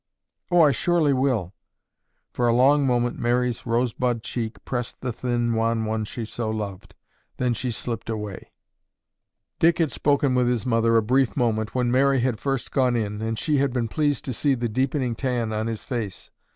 "Oh, I surely will." For a long moment Mary's rosebud cheek pressed the thin wan one she so loved, then she slipped away. Dick had spoken with his mother a brief moment when Mary had first gone in and she had been pleased to see the deepening tan on his face.